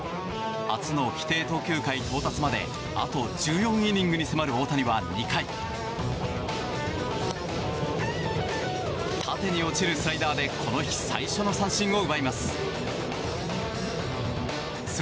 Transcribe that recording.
初の規定投球回到達まであと１４イニングに迫る大谷は２回縦に落ちるスライダーでこの日最初の三振を奪います。